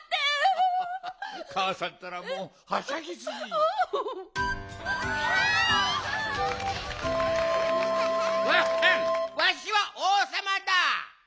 わしはおうさまだ。